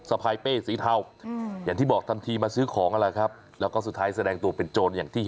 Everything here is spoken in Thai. สะพายพั่นสีเท่าถามที่แสดงตัวเป็นโจร